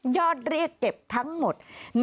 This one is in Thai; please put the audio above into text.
เรียกเก็บทั้งหมด